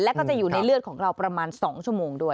แล้วก็จะอยู่ในเลือดของเราประมาณ๒ชั่วโมงด้วย